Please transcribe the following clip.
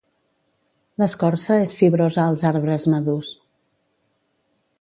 L'escorça és fibrosa als arbres madurs.